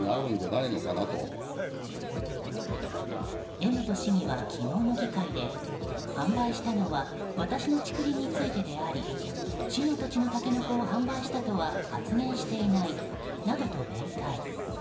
江本市議は昨日の議会で販売したのは私の竹林についてであり市の土地のタケノコを販売したとは発言していないなどと弁解。